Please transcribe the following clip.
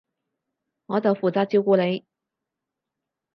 我就負責照顧你